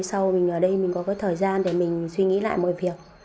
sau mình ở đây mình có cái thời gian để mình suy nghĩ lại mọi việc